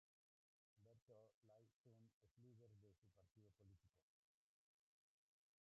Humberto Lay Sun es líder de su partido político.